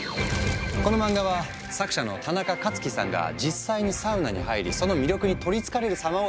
この漫画は作者のタナカカツキさんが実際にサウナに入りその魅力に取りつかれる様を描いたもの。